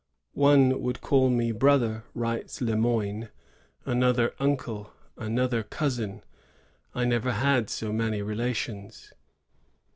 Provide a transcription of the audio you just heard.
"One would call me brother," writes Le Moyne; "another, uncle; another, cousin. I never had so many relations."